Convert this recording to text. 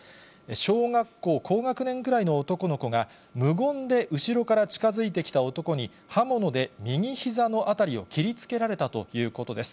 小学校高学年ぐらいの男の子が、無言で後ろから近づいてきた男に、刃物で右ひざの辺りを切りつけられたということです。